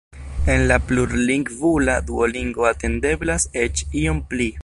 En la plurlingvula Duolingo atendeblas eĉ iom pli.